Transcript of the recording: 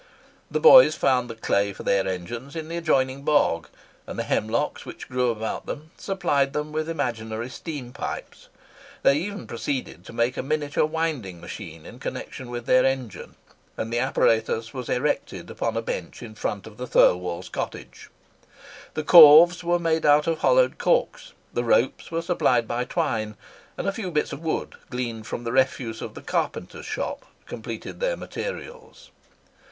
The boys found the clay for their engines in the adjoining bog, and the hemlocks which grew about supplied them with imaginary steam pipes. They even proceeded to make a miniature winding machine in connexion with their engine, and the apparatus was erected upon a bench in front of the Thirlwalls' cottage. The corves were made out of hollowed corks; the ropes were supplied by twine; and a few bits of wood gleaned from the refuse of the carpenter's shop completed their materials.